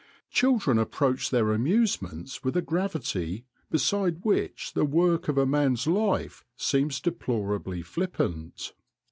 Children approach their amusements with a gravity beside which the work of a man's life seems deplorably flippant.